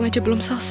aja belum selesai